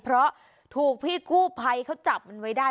เพราะถูกพี่กู้ภัยเขาจับมันไว้ได้